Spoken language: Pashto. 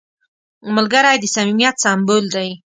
ملګری د صمیمیت سمبول دی